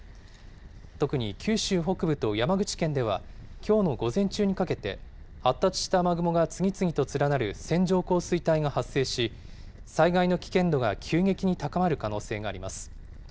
特に九州北部と山口県では、きょうの午前中にかけて、発達した雨雲が次々と連なる線状降水帯が発生し、災害の危険度が急激に高まる可能性があります。